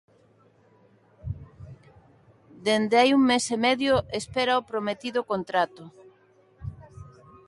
Dende hai un mes e medio espera o prometido contrato.